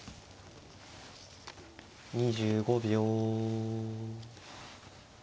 ２５秒。